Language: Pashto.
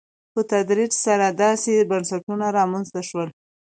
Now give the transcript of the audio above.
په تدریج سره داسې بنسټونه رامنځته شول.